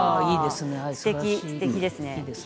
すてきですね。